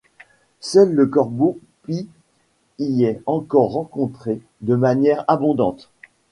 Seul le corbeau pie y est encore rencontré de manière abondante.